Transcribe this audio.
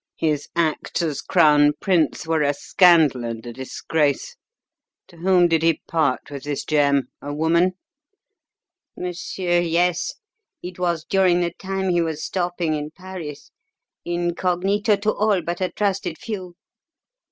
His acts as crown prince were a scandal and a disgrace. To whom did he part with this gem a woman?" "Monsieur, yes! It was during the time he was stopping in Paris incognito to all but a trusted few.